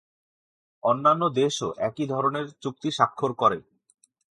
অন্যান্য দেশও একই ধরনের চুক্তি স্বাক্ষর করে।